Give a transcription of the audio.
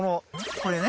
これね。